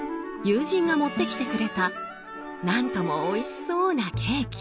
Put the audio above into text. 友人が持ってきてくれた何ともおいしそうなケーキ。